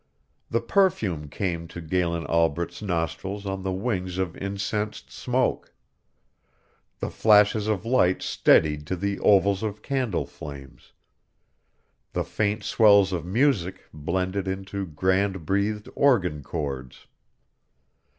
The perfume came to Galen Albret's nostrils on the wings of incensed smoke; the flashes of light steadied to the ovals of candle flames; the faint swells of music blended into grand breathed organ chords.